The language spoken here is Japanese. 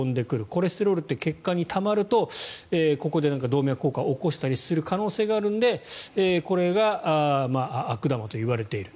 コレステロールって血管にたまるとここで動脈硬化を起こしたりする可能性があるのでこれが悪玉といわれている。